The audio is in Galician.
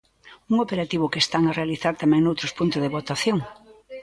Un operativo que están a realizar tamén noutros puntos de votación.